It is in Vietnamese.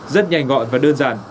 rất nhanh gọn và đơn giản